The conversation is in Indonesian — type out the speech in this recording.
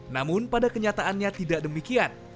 namun pada kenyataannya tidak demikian